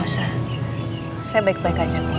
saya baik baik aja